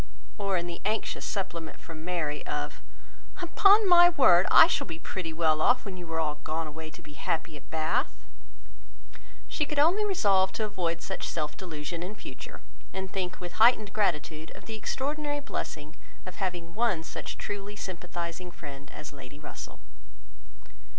or in the anxious supplement from Mary, of—"Upon my word, I shall be pretty well off, when you are all gone away to be happy at Bath!" She could only resolve to avoid such self delusion in future, and think with heightened gratitude of the extraordinary blessing of having one such truly sympathising friend as Lady Russell.